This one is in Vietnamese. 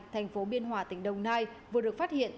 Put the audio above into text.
thành phố biên hòa tỉnh đồng nai vừa được phát hiện